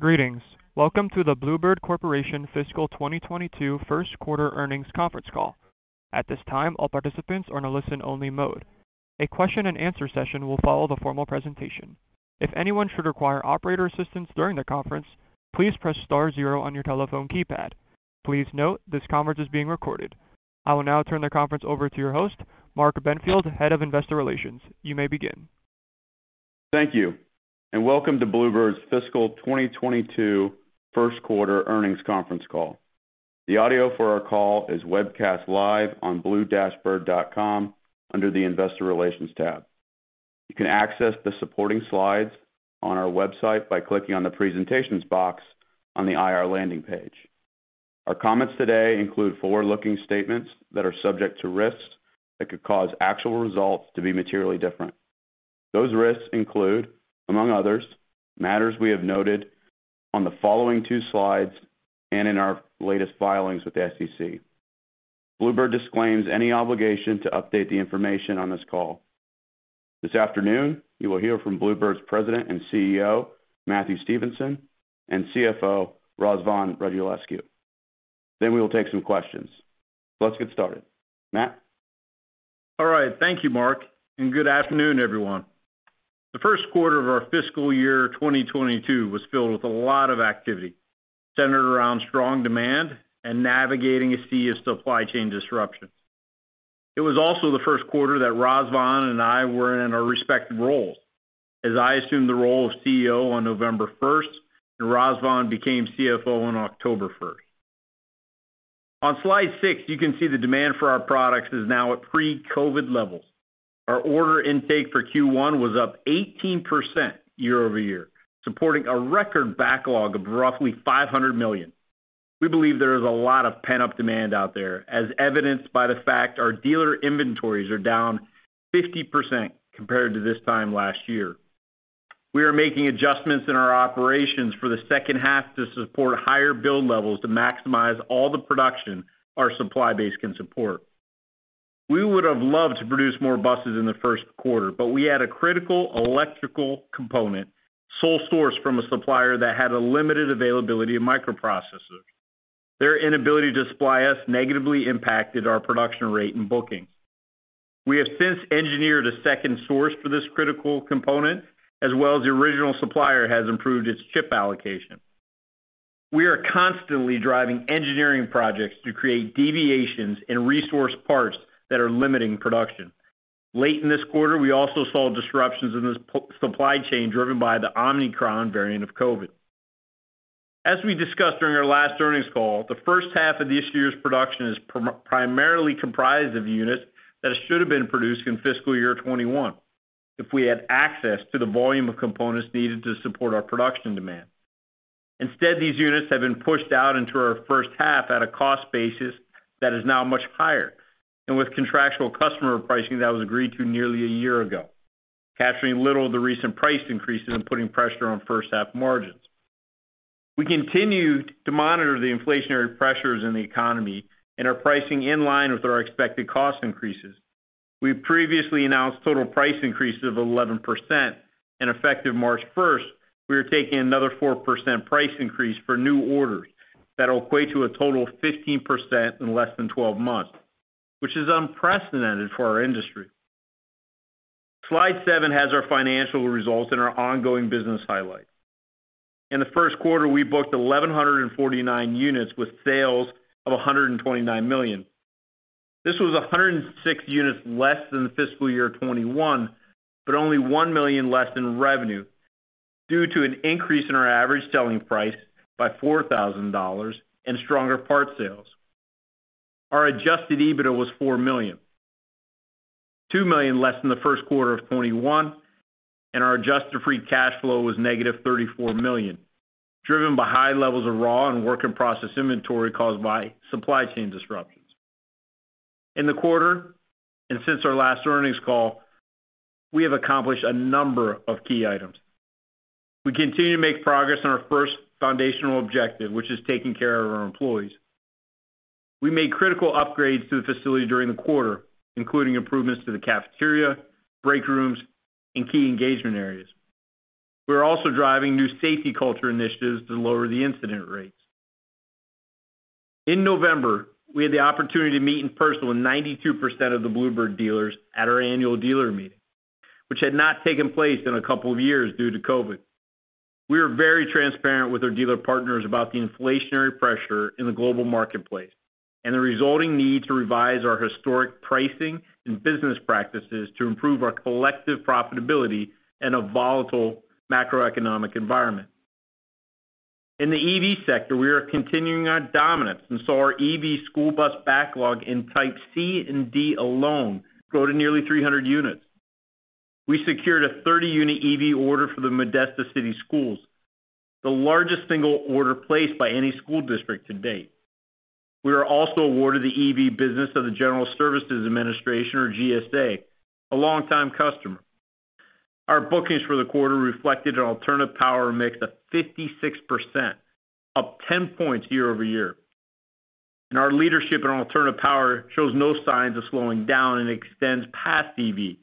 Greetings. Welcome to the Blue Bird Corporation Fiscal 2022 first quarter earnings conference call. At this time, all participants are in a listen-only mode. A question and answer session will follow the formal presentation. If anyone should require operator assistance during the conference, please press star zero on your telephone keypad. Please note, this conference is being recorded. I will now turn the conference over to your host, Mark Benfield, Head of Investor Relations. You may begin. Thank you, and welcome to Blue Bird's Fiscal 2022 first quarter earnings conference call. The audio for our call is webcast live on blue-bird.com under the Investor Relations tab. You can access the supporting slides on our website by clicking on the presentations box on the IR landing page. Our comments today include forward-looking statements that are subject to risks that could cause actual results to be materially different. Those risks include, among others, matters we have noted on the following two slides and in our latest filings with the SEC. Blue Bird disclaims any obligation to update the information on this call. This afternoon, you will hear from Blue Bird's President and CEO, Matthew Stevenson, and CFO, Razvan Radulescu. Then we will take some questions. Let's get started. Matt? All right. Thank you, Mark, and good afternoon, everyone. The first quarter of our fiscal year 2022 was filled with a lot of activity centered around strong demand and navigating a sea of supply chain disruptions. It was also the first quarter that Razvan and I were in our respective roles as I assumed the role of CEO on November first and Razvan became CFO on October first. On slide six, you can see the demand for our products is now at pre-COVID levels. Our order intake for Q1 was up 18% year-over-year, supporting a record backlog of roughly $500 million. We believe there is a lot of pent-up demand out there, as evidenced by the fact our dealer inventories are down 50% compared to this time last year. We are making adjustments in our operations for the second half to support higher build levels to maximize all the production our supply base can support. We would have loved to produce more buses in the first quarter, but we had a critical electrical component sole sourced from a supplier that had a limited availability of microprocessors. Their inability to supply us negatively impacted our production rate and bookings. We have since engineered a second source for this critical component, as well as the original supplier has improved its chip allocation. We are constantly driving engineering projects to create deviations in resource parts that are limiting production. Late in this quarter, we also saw disruptions in the supply chain driven by the Omicron variant of COVID. As we discussed during our last earnings call, the first half of this year's production is primarily comprised of units that should have been produced in fiscal year 2021 if we had access to the volume of components needed to support our production demand. Instead, these units have been pushed out into our first half at a cost basis that is now much higher and with contractual customer pricing that was agreed to nearly a year ago, capturing little of the recent price increases and putting pressure on first half margins. We continued to monitor the inflationary pressures in the economy and are pricing in line with our expected cost increases. We previously announced total price increases of 11%, and effective March first, we are taking another 4% price increase for new orders that will equate to a total of 15% in less than 12 months, which is unprecedented for our industry. Slide seven has our financial results and our ongoing business highlights. In the first quarter, we booked 1,149 units with sales of $129 million. This was 106 units less than fiscal year 2021, but only $1 million less in revenue due to an increase in our average selling price by $4,000 and stronger parts sales. Our adjusted EBITDA was $4 million, $2 million less than the first quarter of 2021, and our adjusted free cash flow was negative $34 million, driven by high levels of raw and work-in-process inventory caused by supply chain disruptions. In the quarter, and since our last earnings call, we have accomplished a number of key items. We continue to make progress on our first foundational objective, which is taking care of our employees. We made critical upgrades to the facility during the quarter, including improvements to the cafeteria, break rooms, and key engagement areas. We are also driving new safety culture initiatives to lower the incident rates. In November, we had the opportunity to meet in person with 92% of the Blue Bird dealers at our annual dealer meeting, which had not taken place in a couple of years due to COVID. We were very transparent with our dealer partners about the inflationary pressure in the global marketplace and the resulting need to revise our historic pricing and business practices to improve our collective profitability in a volatile macroeconomic environment. In the EV sector, we are continuing our dominance and saw our EV school bus backlog in Type C and D alone grow to nearly 300 units. We secured a 30-unit EV order for the Modesto City Schools, the largest single order placed by any school district to date. We were also awarded the EV business of the General Services Administration, or GSA, a longtime customer. Our bookings for the quarter reflected an alternative power mix of 56%, up 10 points year-over-year. Our leadership in alternative power shows no signs of slowing down and extends past EV,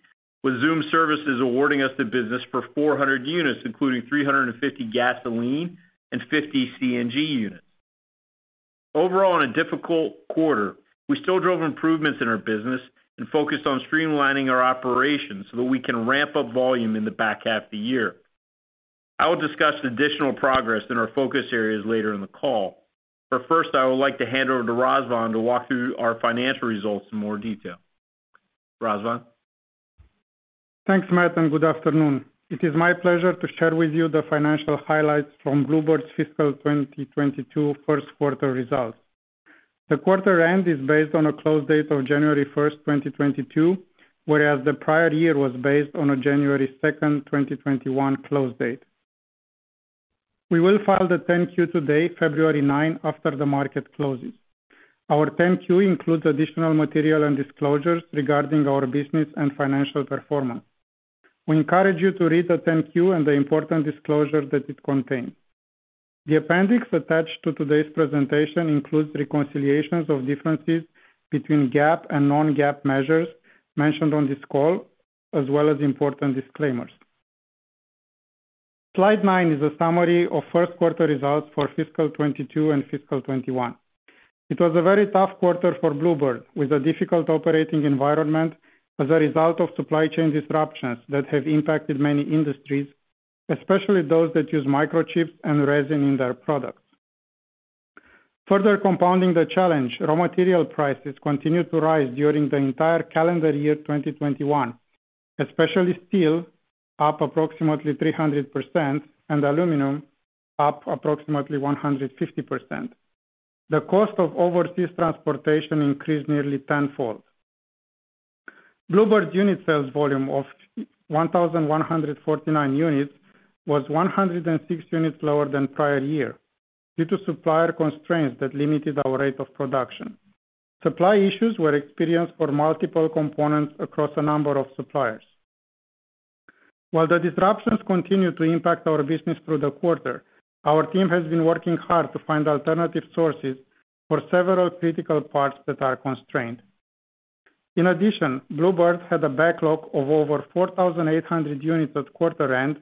with Zum Services awarding us the business for 400 units, including 350 gasoline and 50 CNG units. Overall, in a difficult quarter, we still drove improvements in our business and focused on streamlining our operations so that we can ramp up volume in the back half of the year. I will discuss additional progress in our focus areas later in the call. First, I would like to hand over to Razvan to walk through our financial results in more detail. Razvan? Thanks, Matt, and good afternoon. It is my pleasure to share with you the financial highlights from Blue Bird's fiscal 2022 first quarter results. The quarter end is based on a close date of January 1, 2022, whereas the prior year was based on a January 2, 2021 close date. We will file the 10-Q today, February 9, after the market closes. Our 10-Q includes additional material and disclosures regarding our business and financial performance. We encourage you to read the 10-Q and the important disclosures that it contains. The appendix attached to today's presentation includes reconciliations of differences between GAAP and non-GAAP measures mentioned on this call, as well as important disclaimers. Slide nine is a summary of first quarter results for fiscal 2022 and fiscal 2021. It was a very tough quarter for Blue Bird, with a difficult operating environment as a result of supply chain disruptions that have impacted many industries, especially those that use microchips and resin in their products. Further compounding the challenge, raw material prices continued to rise during the entire calendar year 2021, especially steel, up approximately 300%, and aluminum, up approximately 150%. The cost of overseas transportation increased nearly tenfold. Blue Bird's unit sales volume of 1,149 units was 106 units lower than prior year due to supplier constraints that limited our rate of production. Supply issues were experienced for multiple components across a number of suppliers. While the disruptions continue to impact our business through the quarter, our team has been working hard to find alternative sources for several critical parts that are constrained. In addition, Blue Bird had a backlog of over 4,800 units at quarter end,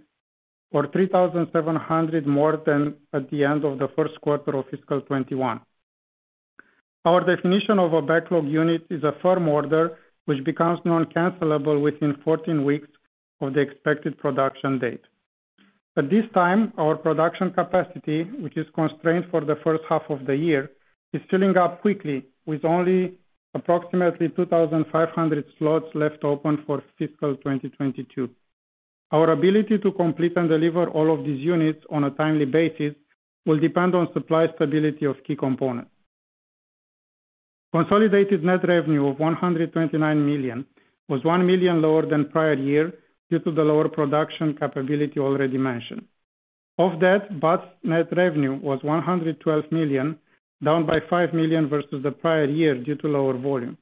or 3,700 more than at the end of the first quarter of fiscal 2021. Our definition of a backlog unit is a firm order which becomes non-cancelable within 14 weeks of the expected production date. At this time, our production capacity, which is constrained for the first half of the year, is filling up quickly, with only approximately 2,500 slots left open for fiscal 2022. Our ability to complete and deliver all of these units on a timely basis will depend on supply stability of key components. Consolidated net revenue of $129 million was $1 million lower than prior year due to the lower production capability already mentioned. Bus net revenue was $112 million, down by $5 million versus the prior year due to lower volume.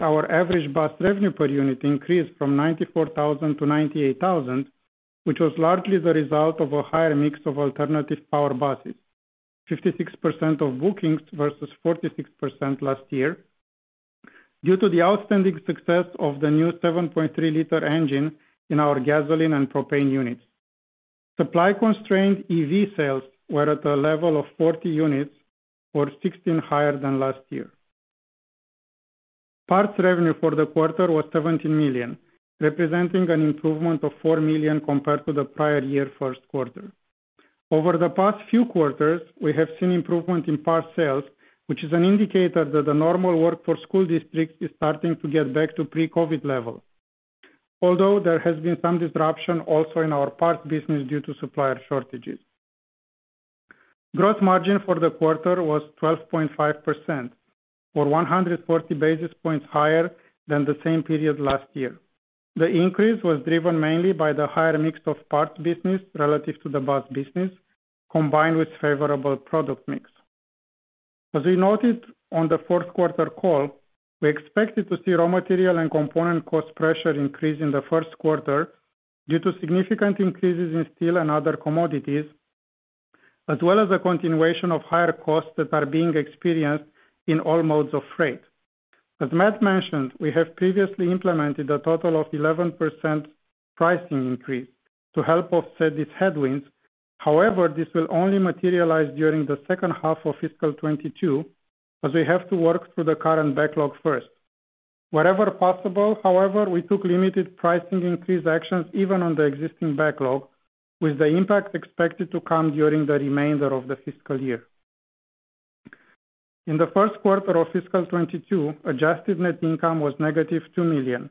Our average bus revenue per unit increased from $94,000-$98,000, which was largely the result of a higher mix of alternative power buses, 56% of bookings versus 46% last year, due to the outstanding success of the new 7.3-liter engine in our gasoline and propane units. Supply-constrained EV sales were at a level of 40 units, or 16 higher than last year. Parts revenue for the quarter was $17 million, representing an improvement of $4 million compared to the prior year first quarter. Over the past few quarters, we have seen improvement in parts sales, which is an indicator that the normal work for school districts is starting to get back to pre-COVID levels, although there has been some disruption also in our parts business due to supplier shortages. Gross margin for the quarter was 12.5%, or 140 basis points higher than the same period last year. The increase was driven mainly by the higher mix of parts business relative to the bus business, combined with favorable product mix. As we noted on the fourth quarter call, we expected to see raw material and component cost pressure increase in the first quarter due to significant increases in steel and other commodities, as well as a continuation of higher costs that are being experienced in all modes of freight. As Matt mentioned, we have previously implemented a total of 11% pricing increase to help offset these headwinds. However, this will only materialize during the second half of fiscal 2022, as we have to work through the current backlog first. Wherever possible, however, we took limited pricing increase actions even on the existing backlog, with the impact expected to come during the remainder of the fiscal year. In the first quarter of fiscal 2022, adjusted net income was -$2 million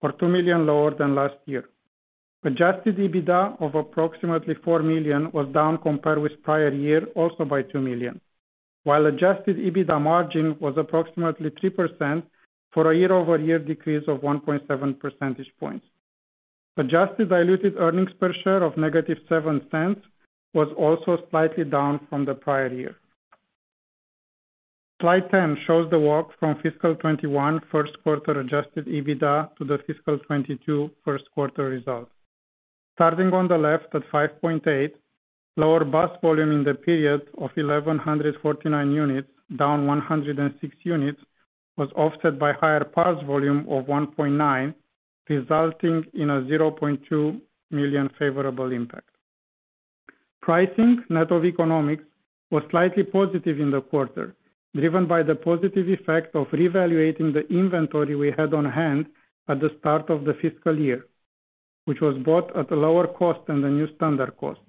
or $2 million lower than last year. Adjusted EBITDA of approximately $4 million was down compared with prior year, also by $2 million, while adjusted EBITDA margin was approximately 3% for a year-over-year decrease of 1.7 percentage points. Adjusted diluted earnings per share of -$0.07 was also slightly down from the prior year. Slide 10 shows the walk from fiscal 2021 first quarter adjusted EBITDA to the fiscal 2022 first quarter results. Starting on the left at $5.8, lower bus volume in the period of 1,149 units, down 106 units, was offset by higher parts volume of $1.9, resulting in a $0.2 million favorable impact. Pricing net of economics was slightly positive in the quarter, driven by the positive effect of reevaluating the inventory we had on hand at the start of the fiscal year, which was bought at a lower cost than the new standard cost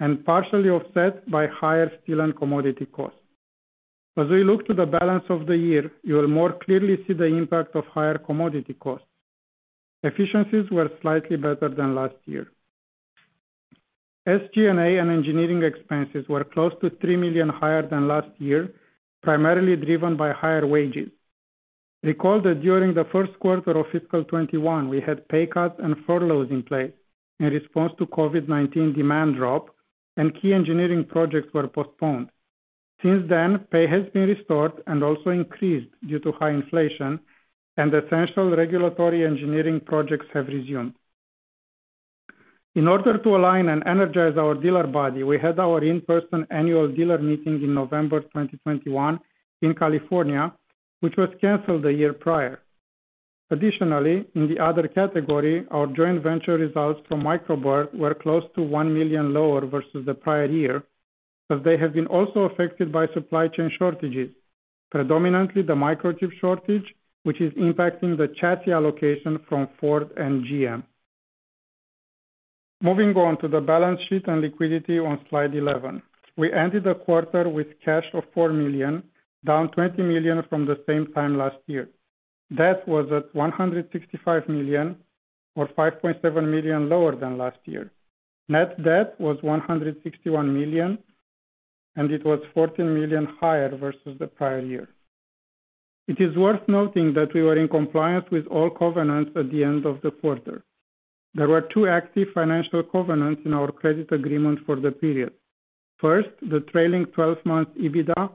and partially offset by higher steel and commodity costs. As we look to the balance of the year, you will more clearly see the impact of higher commodity costs. Efficiencies were slightly better than last year. SG&A and engineering expenses were close to $3 million higher than last year, primarily driven by higher wages. Recall that during the first quarter of fiscal 2021 we had pay cuts and furloughs in place in response to COVID-19 demand drop and key engineering projects were postponed. Since then, pay has been restored and also increased due to high inflation and essential regulatory engineering projects have resumed. In order to align and energize our dealer body, we had our in-person annual dealer meeting in November 2021 in California, which was canceled the year prior. Additionally, in the other category, our joint venture results from Micro Bird were close to $1 million lower versus the prior year, as they have been also affected by supply chain shortages, predominantly the microchip shortage, which is impacting the chassis allocation from Ford and GM. Moving on to the balance sheet and liquidity on slide 11. We ended the quarter with cash of $4 million, down $20 million from the same time last year. Debt was at $165 million or $5.7 million lower than last year. Net debt was $161 million and it was $14 million higher versus the prior year. It is worth noting that we were in compliance with all covenants at the end of the quarter. There were two active financial covenants in our credit agreement for the period. First, the trailing 12-month EBITDA,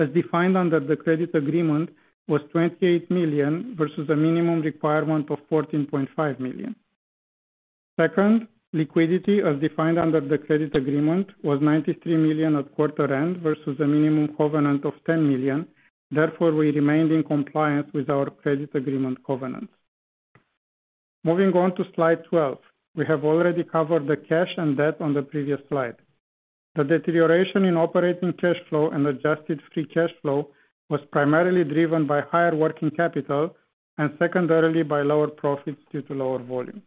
as defined under the credit agreement, was $28 million versus a minimum requirement of $14.5 million. Second, liquidity as defined under the credit agreement was $93 million at quarter end versus a minimum covenant of $10 million. Therefore, we remained in compliance with our credit agreement covenants. Moving on to slide 12. We have already covered the cash and debt on the previous slide. The deterioration in operating cash flow and adjusted free cash flow was primarily driven by higher working capital and secondarily by lower profits due to lower volume.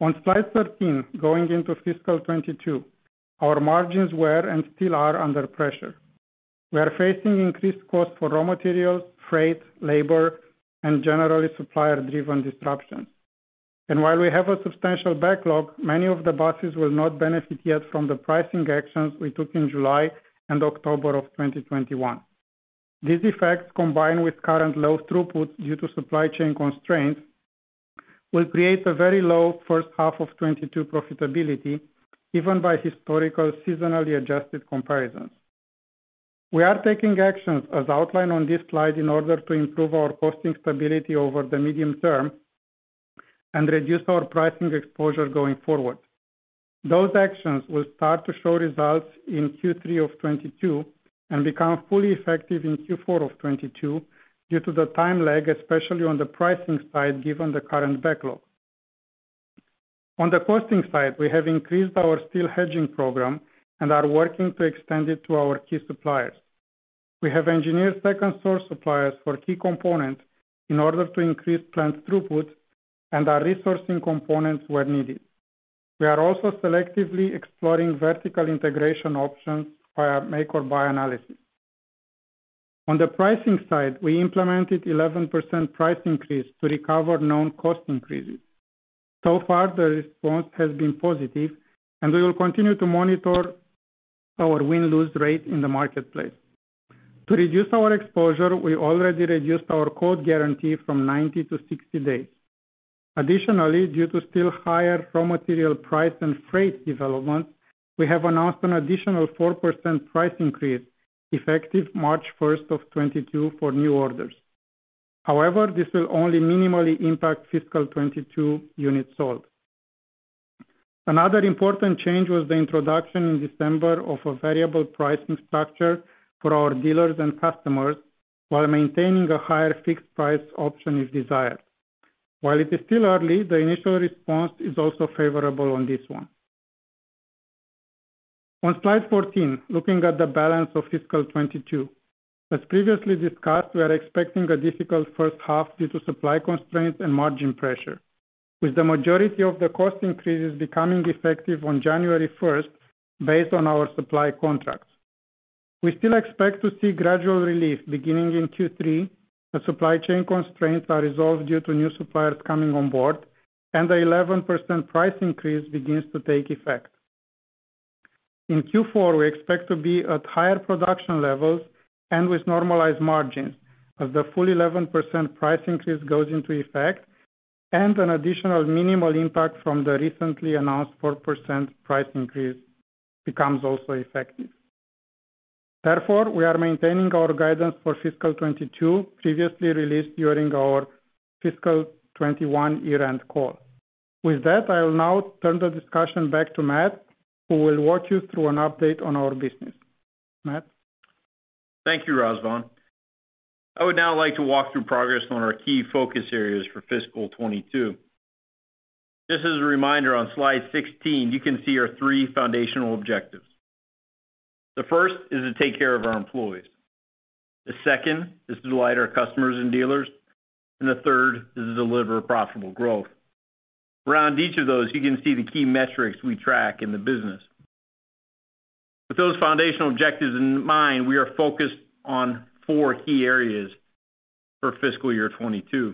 On slide 13, going into fiscal 2022, our margins were and still are under pressure. We are facing increased cost for raw materials, freight, labor, and generally supplier-driven disruptions. While we have a substantial backlog, many of the buses will not benefit yet from the pricing actions we took in July and October of 2021. These effects, combined with current low throughput due to supply chain constraints, will create a very low first half of 2022 profitability, even by historical seasonally adjusted comparisons. We are taking actions as outlined on this slide in order to improve our costing stability over the medium term and reduce our pricing exposure going forward. Those actions will start to show results in Q3 of 2022 and become fully effective in Q4 of 2022 due to the time lag, especially on the pricing side given the current backlog. On the costing side, we have increased our steel hedging program and are working to extend it to our key suppliers. We have engineered second source suppliers for key components in order to increase plant throughput and are resourcing components where needed. We are also selectively exploring vertical integration options via make or buy analysis. On the pricing side, we implemented 11% price increase to recover known cost increases. So far, the response has been positive and we will continue to monitor our win-lose rate in the marketplace. To reduce our exposure, we already reduced our quote guarantee from 90-60 days. Additionally, due to still higher raw material price and freight development, we have announced an additional 4% price increase effective March 1, 2022 for new orders. However, this will only minimally impact fiscal 2022 units sold. Another important change was the introduction in December of a variable pricing structure for our dealers and customers while maintaining a higher fixed price option if desired. While it is still early, the initial response is also favorable on this one. On slide 14, looking at the balance of fiscal 2022. As previously discussed, we are expecting a difficult first half due to supply constraints and margin pressure, with the majority of the cost increases becoming effective on January 1 based on our supply contracts. We still expect to see gradual relief beginning in Q3 as supply chain constraints are resolved due to new suppliers coming on board and the 11% price increase begins to take effect. In Q4, we expect to be at higher production levels and with normalized margins as the full 11% price increase goes into effect and an additional minimal impact from the recently announced 4% price increase becomes also effective. Therefore, we are maintaining our guidance for fiscal 2022, previously released during our fiscal 2021 year-end call. With that, I will now turn the discussion back to Matt, who will walk you through an update on our business. Matt. Thank you, Razvan. I would now like to walk through progress on our key focus areas for fiscal 2022. Just as a reminder, on slide 16 you can see our three foundational objectives. The first is to take care of our employees. The second is to delight our customers and dealers, and the third is to deliver profitable growth. Around each of those, you can see the key metrics we track in the business. With those foundational objectives in mind, we are focused on four key areas for fiscal year 2022.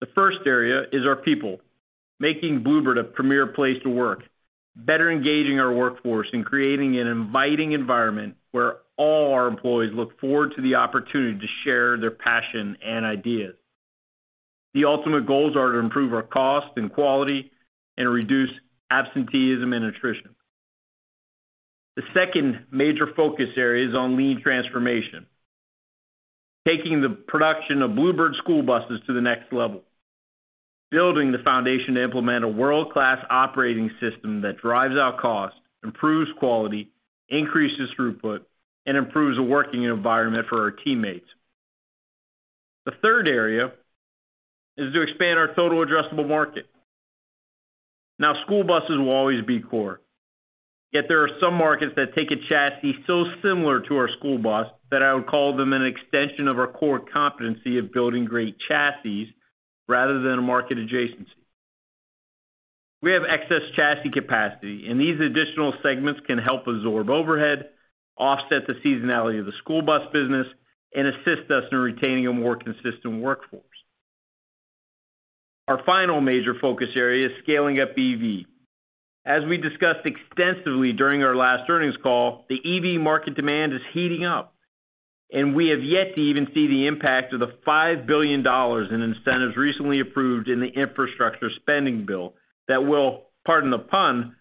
The first area is our people, making Blue Bird a premier place to work, better engaging our workforce, and creating an inviting environment where all our employees look forward to the opportunity to share their passion and ideas. The ultimate goals are to improve our cost and quality and reduce absenteeism and attrition. The second major focus area is on lean transformation, taking the production of Blue Bird school buses to the next level, building the foundation to implement a world-class operating system that drives our cost, improves quality, increases throughput, and improves the working environment for our teammates. The third area is to expand our total addressable market. Now, school buses will always be core, yet there are some markets that take a chassis so similar to our school bus that I would call them an extension of our core competency of building great chassis rather than a market adjacency. We have excess chassis capacity, and these additional segments can help absorb overhead, offset the seasonality of the school bus business, and assist us in retaining a more consistent workforce. Our final major focus area is scaling up EV. As we discussed extensively during our last earnings call, the EV market demand is heating up, and we have yet to even see the impact of the $5 billion in incentives recently approved in the infrastructure spending bill that will, pardon the pun,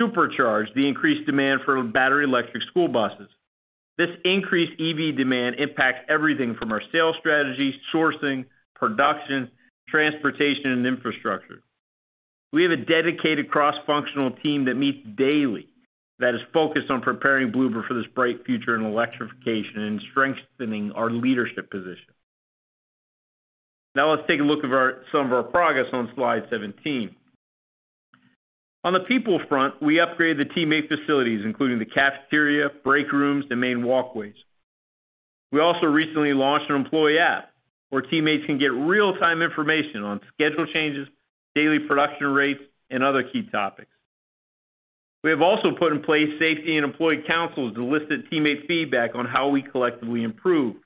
supercharge the increased demand for battery electric school buses. This increased EV demand impacts everything from our sales strategy, sourcing, production, transportation, and infrastructure. We have a dedicated cross-functional team that meets daily that is focused on preparing Blue Bird for this bright future in electrification and strengthening our leadership position. Now let's take a look at some of our progress on slide 17. On the people front, we upgraded the teammate facilities, including the cafeteria, break rooms, and main walkways. We also recently launched an employee app where teammates can get real-time information on schedule changes, daily production rates, and other key topics. We have also put in place safety and employee councils to elicit teammate feedback on how we collectively improve.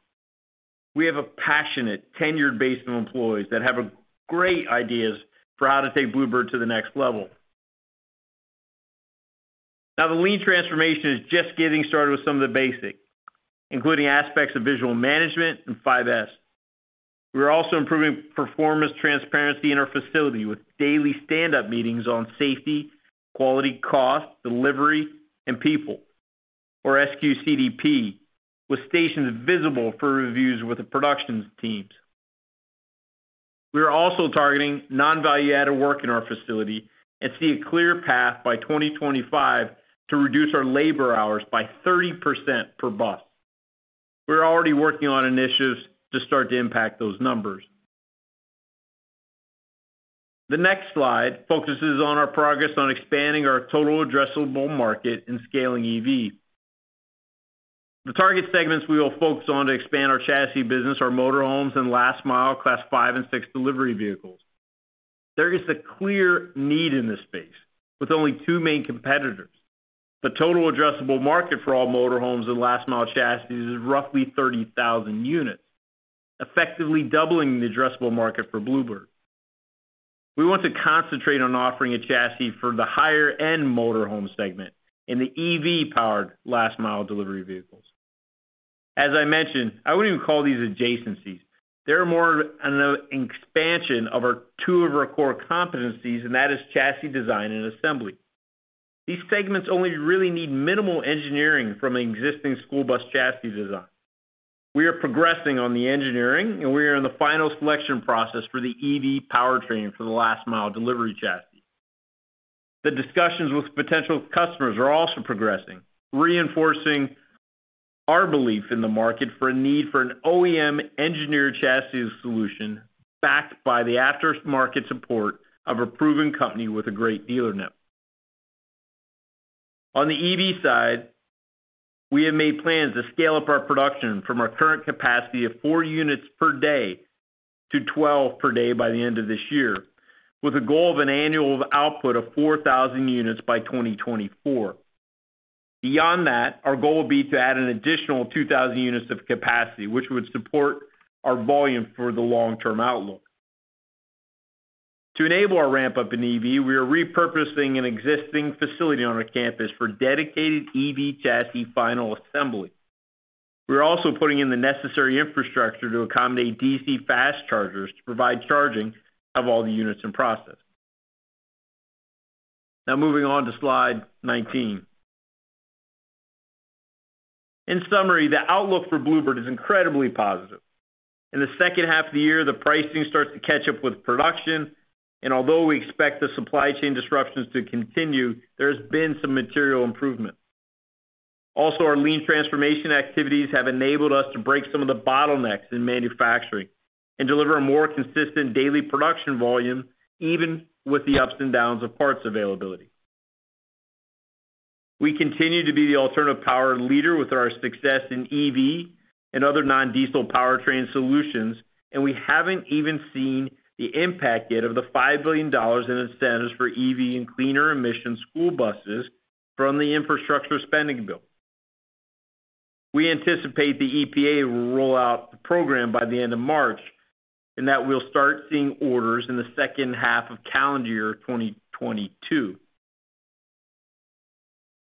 We have a passionate, tenured base of employees that have great ideas for how to take Blue Bird to the next level. Now, the lean transformation is just getting started with some of the basics, including aspects of visual management and 5S. We are also improving performance transparency in our facility with daily standup meetings on safety, quality, cost, delivery, and people, or SQCDP, with stations visible for reviews with the production teams. We are also targeting non-value added work in our facility and see a clear path by 2025 to reduce our labor hours by 30% per bus. We're already working on initiatives to start to impact those numbers. The next slide focuses on our progress on expanding our total addressable market and scaling EV. The target segments we will focus on to expand our chassis business are motor homes and last mile Class five and six delivery vehicles. There is a clear need in this space, with only two main competitors. The total addressable market for all motor homes and last mile chassis is roughly 30,000 units, effectively doubling the addressable market for Blue Bird. We want to concentrate on offering a chassis for the higher end motor home segment and the EV powered last mile delivery vehicles. As I mentioned, I wouldn't even call these adjacencies. They're more an expansion of our two of our core competencies, and that is chassis design and assembly. These segments only really need minimal engineering from an existing school bus chassis design. We are progressing on the engineering, and we are in the final selection process for the EV powertrain for the last mile delivery chassis. The discussions with potential customers are also progressing, reinforcing our belief in the market for a need for an OEM engineered chassis solution backed by the aftermarket support of a proven company with a great dealer network. On the EV side, we have made plans to scale up our production from our current capacity of four units per day to 12 per day by the end of this year, with a goal of an annual output of 4,000 units by 2024. Beyond that, our goal will be to add an additional 2,000 units of capacity, which would support our volume for the long-term outlook. To enable our ramp up in EV, we are repurposing an existing facility on our campus for dedicated EV chassis final assembly. We are also putting in the necessary infrastructure to accommodate DC fast chargers to provide charging of all the units in process. Now moving on to slide 19. In summary, the outlook for Blue Bird is incredibly positive. In the second half of the year, the pricing starts to catch up with production, and although we expect the supply chain disruptions to continue, there's been some material improvement. Also, our lean transformation activities have enabled us to break some of the bottlenecks in manufacturing and deliver a more consistent daily production volume, even with the ups and downs of parts availability. We continue to be the alternative power leader with our success in EV and other non-diesel powertrain solutions, and we haven't even seen the impact yet of the $5 billion in incentives for EV and cleaner emission school buses from the infrastructure spending bill. We anticipate the EPA will roll out the program by the end of March, and that we'll start seeing orders in the second half of calendar year 2022.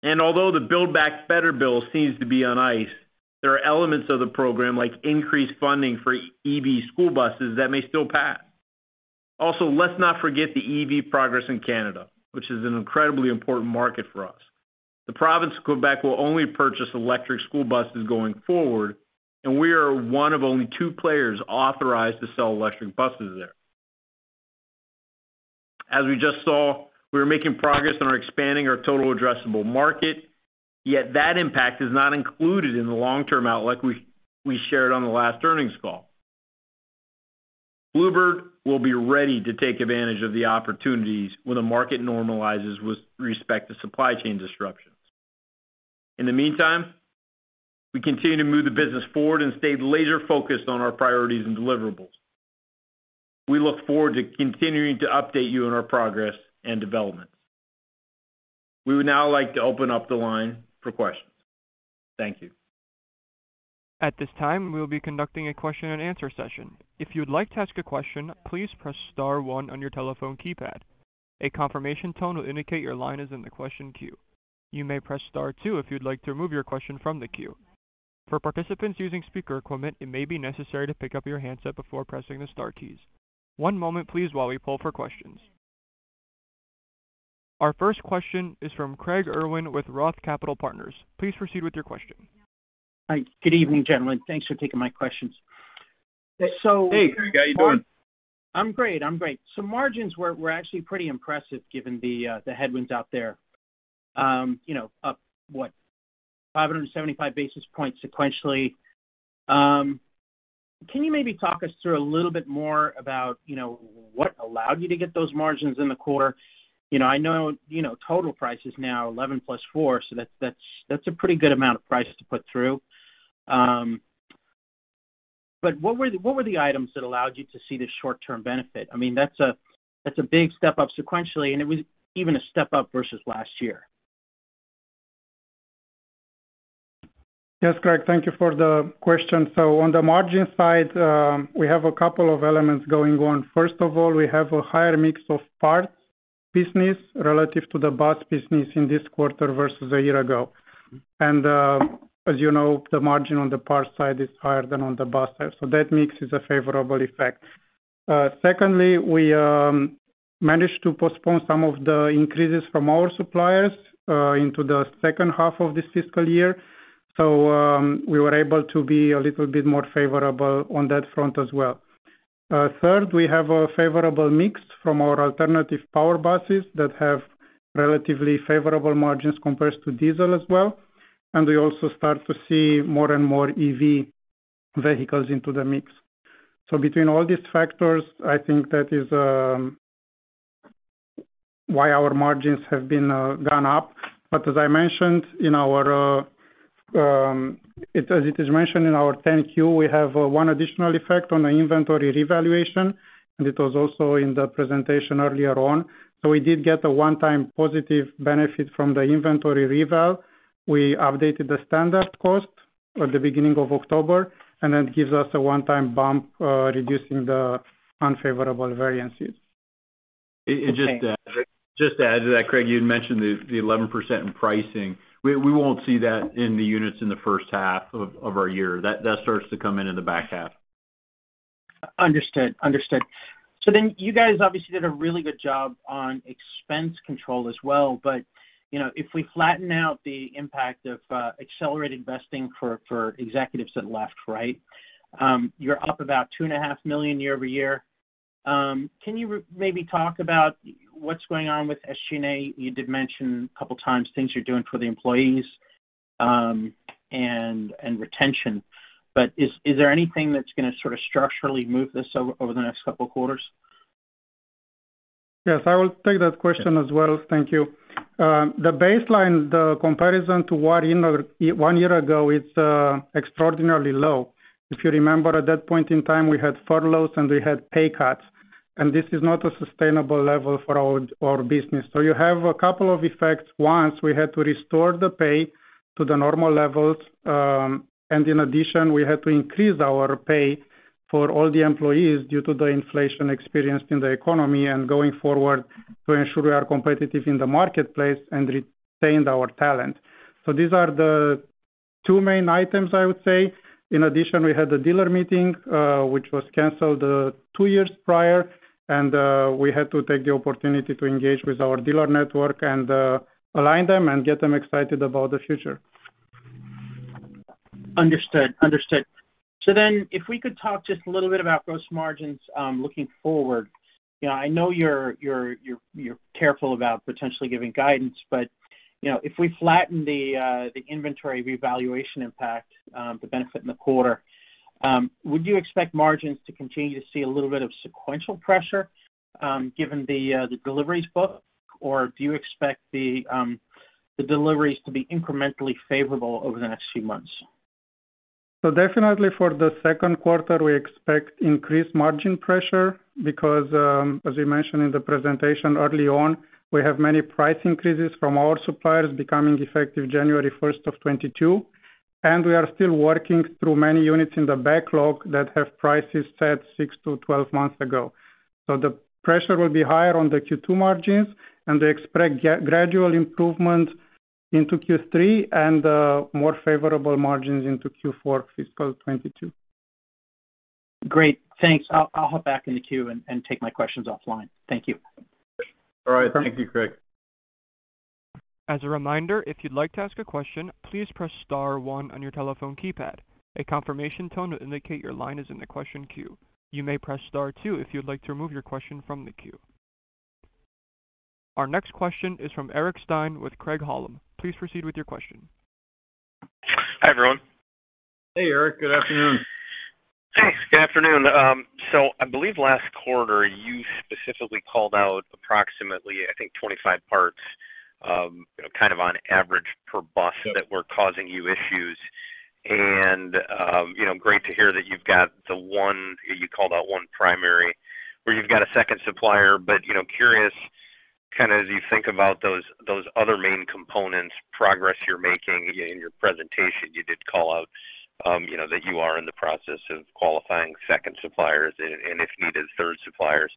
Although the Build Back Better bill seems to be on ice, there are elements of the program like increased funding for EV school buses that may still pass. Also, let's not forget the EV progress in Canada, which is an incredibly important market for us. The province of Quebec will only purchase electric school buses going forward, and we are one of only two players authorized to sell electric buses there. As we just saw, we are making progress on expanding our total addressable market, yet that impact is not included in the long-term outlook we shared on the last earnings call. Blue Bird will be ready to take advantage of the opportunities when the market normalizes with respect to supply chain disruptions. In the meantime, we continue to move the business forward and stayed laser-focused on our priorities and deliverables. We look forward to continuing to update you on our progress and developments. We would now like to open up the line for questions. Thank you. At this time, we will be conducting a question and answer session. If you would like to ask a question, please press star one on your telephone keypad. A confirmation tone will indicate your line is in the question queue. You may press star two if you'd like to remove your question from the queue. For participants using speaker equipment, it may be necessary to pick up your handset before pressing the star keys. One moment please while we poll for questions. Our first question is from Craig Irwin with Roth Capital Partners. Please proceed with your question. Hi. Good evening, gentlemen. Thanks for taking my questions. Hey, Craig. How you doing? I'm great. Margins were actually pretty impressive given the headwinds out there. You know, up what? 575 basis points sequentially. Can you maybe talk us through a little bit more about, you know, what allowed you to get those margins in the quarter? You know, I know, you know, total price is now 11 + 4, so that's a pretty good amount of price to put through. But what were the items that allowed you to see the short-term benefit? I mean, that's a big step up sequentially, and it was even a step up versus last year. Yes, Craig, thank you for the question. On the margin side, we have a couple of elements going on. First of all, we have a higher mix of parts business relative to the bus business in this quarter versus a year ago. As you know, the margin on the parts side is higher than on the bus side. That mix is a favorable effect. Secondly, we managed to postpone some of the increases from our suppliers into the second half of this fiscal year. We were able to be a little bit more favorable on that front as well. Third, we have a favorable mix from our alternative power buses that have relatively favorable margins compared to diesel as well, and we also start to see more and more EV vehicles into the mix. Between all these factors, I think that is why our margins have been gone up. But as it is mentioned in our 10-Q, we have one additional effect on the inventory revaluation, and it was also in the presentation earlier on. We did get a one-time positive benefit from the inventory reval. We updated the standard cost at the beginning of October, and that gives us a one-time bump reducing the unfavorable variances. Just to add to that, Craig, you had mentioned the 11% in pricing. We won't see that in the units in the first half of our year. That starts to come in in the back half. Understood. You guys obviously did a really good job on expense control as well, but, you know, if we flatten out the impact of accelerated vesting for executives that left, right? You're up about $2.5 million year-over-year. Can you maybe talk about what's going on with SG&A? You did mention a couple times things you're doing for the employees, and retention. But is there anything that's gonna sort of structurally move this over the next couple quarters? Yes, I will take that question as well. Thank you. The baseline, the comparison to what in a Q1 year ago, it's extraordinarily low. If you remember, at that point in time, we had furloughs and we had pay cuts, and this is not a sustainable level for our business. You have a couple of effects. One, we had to restore the pay to the normal levels, and in addition, we had to increase our pay for all the employees due to the inflation experienced in the economy and going forward to ensure we are competitive in the marketplace and retain our talent. These are the two main items, I would say. In addition, we had the dealer meeting, which was canceled two years prior, and we had to take the opportunity to engage with our dealer network and align them and get them excited about the future. Understood. If we could talk just a little bit about gross margins, looking forward. You know, I know you're careful about potentially giving guidance, but you know, if we flatten the inventory revaluation impact, the benefit in the quarter, would you expect margins to continue to see a little bit of sequential pressure, given the deliveries book, or do you expect the deliveries to be incrementally favorable over the next few months? Definitely for the second quarter, we expect increased margin pressure because, as you mentioned in the presentation early on, we have many price increases from our suppliers becoming effective January 1, 2022, and we are still working through many units in the backlog that have prices set 6-12 months ago. The pressure will be higher on the Q2 margins and they expect gradual improvement into Q3 and, more favorable margins into Q4 fiscal 2022. Great. Thanks. I'll hope back in the queue and take my questions offline. Thank you. All right. Thank you, Craig. As a reminder, if you'd like to ask a question, please press star one on your telephone keypad. A confirmation tone to indicate your line is in the question queue. You may press star two if you'd like to remove your question from the queue. Our next question is from Eric Stine with Craig-Hallum. Please proceed with your question. Hi, everyone. Hey, Eric. Good afternoon. Thanks. Good afternoon. I believe last quarter you specifically called out approximately, I think, 25 parts, you know, kind of on average per bus that were causing you issues. Great to hear that you've got the one you called out one primary where you've got a second supplier. You know, curious kind of as you think about those other main components, progress you're making. In your presentation, you did call out, you know, that you are in the process of qualifying second suppliers and if needed, third suppliers.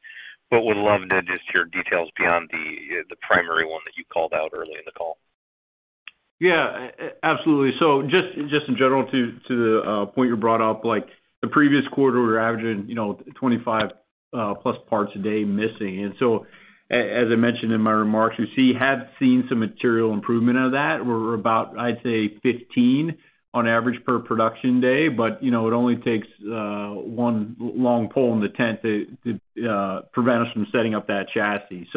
Would love to just hear details beyond the primary one that you called out early in the call. Yeah, absolutely. Just in general to the point you brought up, like the previous quarter, we're averaging, you know, 25 plus parts a day missing. As I mentioned in my remarks, you've seen some material improvement out of that. We're about, I'd say 15 on average per production day. But, you know, it only takes one long pole in the tent to prevent us from setting up that chassis.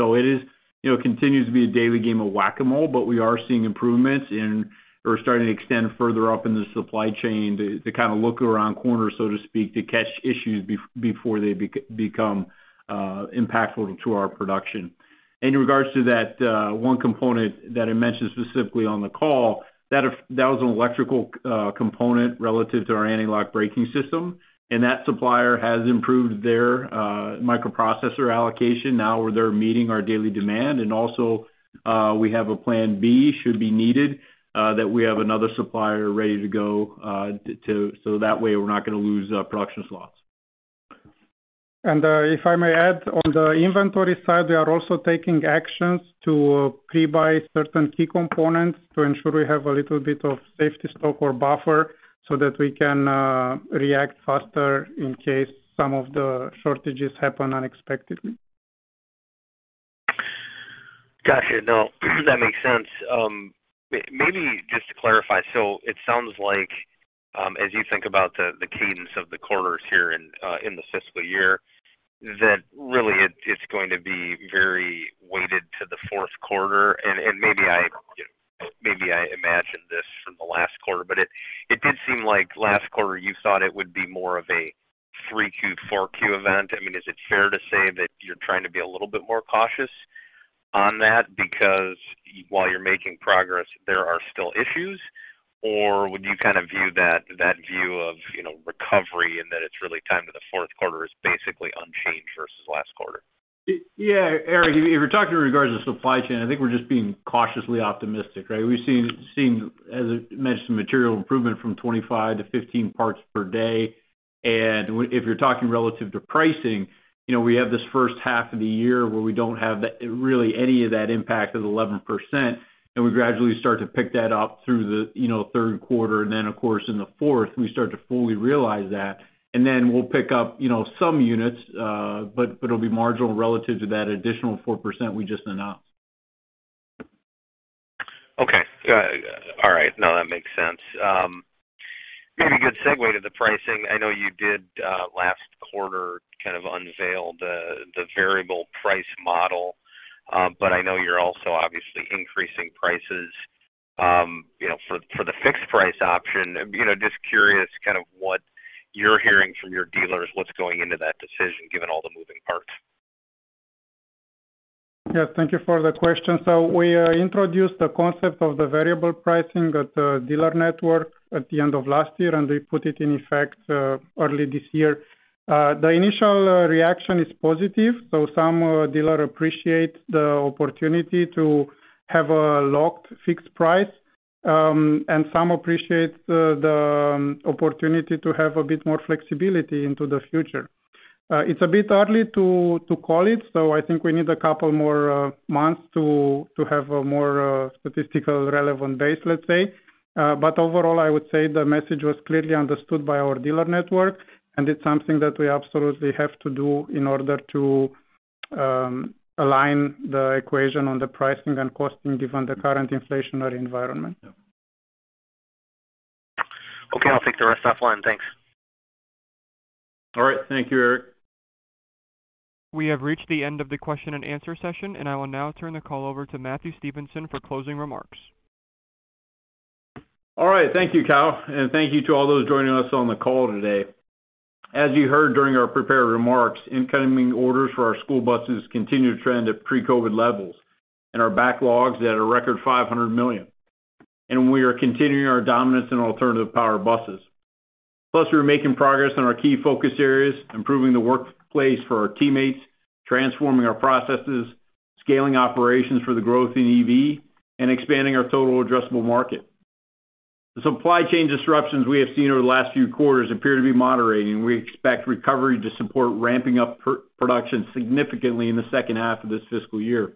It continues to be a daily game of Whac-A-Mole, but we are seeing improvements and we're starting to extend further up in the supply chain to kind of look around corners, so to speak, to catch issues before they become impactful to our production. In regards to that, one component that I mentioned specifically on the call, that was an electrical component relative to our anti-lock braking system, and that supplier has improved their microprocessor allocation. Now they're meeting our daily demand, and also, we have a plan B should be needed, that we have another supplier ready to go, so that way we're not gonna lose production slots. If I may add, on the inventory side, we are also taking actions to pre-buy certain key components to ensure we have a little bit of safety stock or buffer so that we can react faster in case some of the shortages happen unexpectedly. Got you. No, that makes sense. Maybe just to clarify, so it sounds like, as you think about the cadence of the quarters here in the fiscal year, that really it's going to be very weighted to the fourth quarter. Maybe I, you know, maybe I imagined this from the last quarter, but it did seem like last quarter you thought it would be more of a 3Q-4Q event. I mean, is it fair to say that you're trying to be a little bit more cautious on that because while you're making progress, there are still issues? Or would you kind of view that view of, you know, recovery and that it's really tied to the fourth quarter is basically unchanged versus last quarter? Yeah. Eric, if you're talking in regards to supply chain, I think we're just being cautiously optimistic, right? We've seen, as I mentioned, material improvement from 25-15 parts per day. If you're talking relative to pricing, you know, we have this first half of the year where we don't have really any of that impact of 11%, and we gradually start to pick that up through the, you know, third quarter. Then, of course, in the fourth, we start to fully realize that. We'll pick up, you know, some units, but it'll be marginal relative to that additional 4% we just announced. Okay. All right. No, that makes sense. Maybe a good segue to the pricing. I know you did last quarter kind of unveil the variable price model. I know you're also obviously increasing prices, you know, for the fixed price option. You know, just curious kind of what you're hearing from your dealers, what's going into that decision, given all the moving parts. Yes. Thank you for the question. We introduced the concept of the variable pricing at the dealer network at the end of last year, and we put it in effect early this year. The initial reaction is positive. Some dealer appreciate the opportunity to have a locked fixed price, and some appreciate the opportunity to have a bit more flexibility into the future. It's a bit early to call it, so I think we need a couple more months to have a more statistical relevant base, let's say. Overall, I would say the message was clearly understood by our dealer network, and it's something that we absolutely have to do in order to align the equation on the pricing and costing given the current inflationary environment. Yeah. Okay. I'll take the rest offline. Thanks. All right. Thank you, Eric. We have reached the end of the question and answer session, and I will now turn the call over to Matthew Stevenson for closing remarks. All right. Thank you, Kyle. Thank you to all those joining us on the call today. As you heard during our prepared remarks, incoming orders for our school buses continue to trend at pre-COVID levels and our backlogs at a record $500 million. We are continuing our dominance in alternative power buses. Plus, we are making progress on our key focus areas, improving the workplace for our teammates, transforming our processes, scaling operations for the growth in EV, and expanding our total addressable market. The supply chain disruptions we have seen over the last few quarters appear to be moderating. We expect recovery to support ramping up pre-production significantly in the second half of this fiscal year.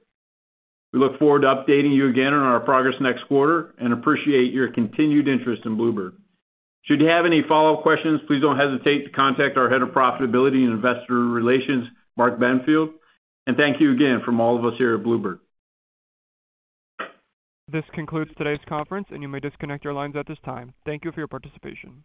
We look forward to updating you again on our progress next quarter and appreciate your continued interest in Blue Bird. Should you have any follow questions, please don't hesitate to contact our Head of Investor Relations, Mark Benfield. Thank you again from all of us here at Blue Bird. This concludes today's conference, and you may disconnect your lines at this time. Thank you for your participation.